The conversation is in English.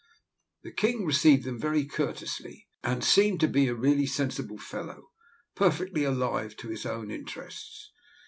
The king received them very courteously, and seemed to be really a sensible fellow, perfectly alive to his own interests.